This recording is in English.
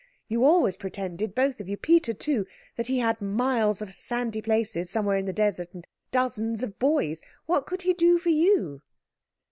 You always pretended, both of you Peter too that he had miles of sandy places somewhere in the desert, and dozens of boys. What could he do for you?"